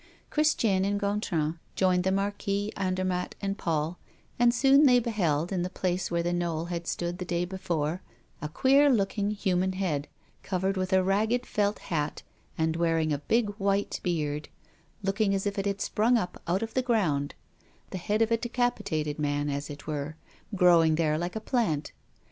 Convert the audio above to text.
Christiane and Gontran joined the Marquis, Andermatt, and Paul, and soon they beheld, in the place where the knoll had stood the day before, a queer looking human head covered with a ragged felt hat, and wearing a big white beard, looking as if it had sprung up out of the ground, the head of a decapitated man, as it were, growing there like a plant.